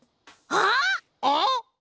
あっ！？